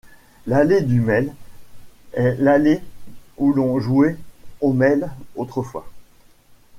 L'allée du Mail est l'allée où l'on jouait au mail autrefois.